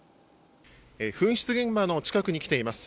噴出現場の近くに来ています。